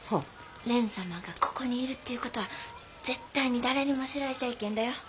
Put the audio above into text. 蓮様がここにいるっていう事は絶対に誰にも知られちゃいけんだよ。